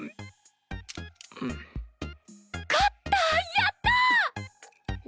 やったー！